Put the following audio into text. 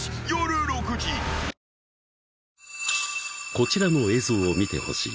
［こちらの映像を見てほしい］